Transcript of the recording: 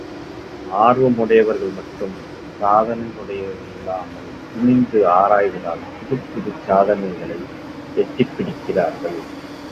ஆர்வமுடையவர்கள் மட்டும், சாதனமுடையில்லாமல், துணிந்து ஆராய்வதால் புதுப் புதுச் சாதனைகளை எட்டிப் பிடிக்கிறார்கள்.